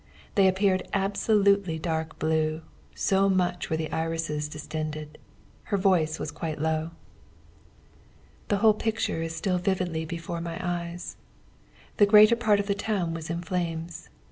They appeared absolutely dark blue, so much were the irises distended. Her voice was quite low. "The whole picture is still vividly before my eyes. The greater part of the town was in flames.